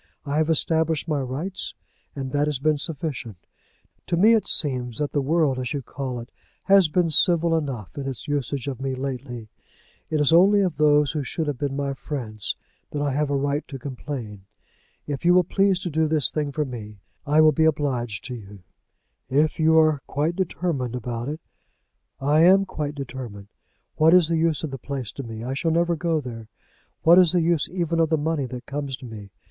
I have established my rights, and that has been sufficient. To me it seems that the world, as you call it, has been civil enough in its usage of me lately. It is only of those who should have been my friends that I have a right to complain. If you will please to do this thing for me, I will be obliged to you." "If you are quite determined about it " "I am quite determined. What is the use of the place to me? I never shall go there. What is the use even of the money that comes to me?